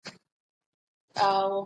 عاق شوي اولادونه خير نه ويني.